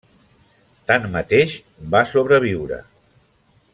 Tanmateix, va sobreviure.